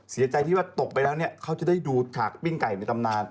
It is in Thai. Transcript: เสียใจที่ว่าตกไปแล้วเนี่ยเขาจะได้ดูฉากปิ้งไก่ในตำนาน